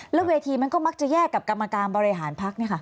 แล้วเวทีมันก็มักจะแยกกับกรรมการบริหารพัก